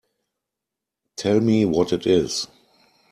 Tell me what it is.